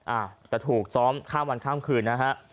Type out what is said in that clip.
อ่าแต่ถูกซ้อมข้ามวันข้ามคืนนะฮะ